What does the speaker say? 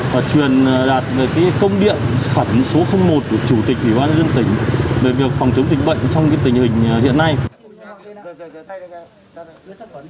và truyền đạt công điện khẩn số một của chủ tịch hải dương tỉnh về việc phòng chống dịch bệnh trong tình hình hiện nay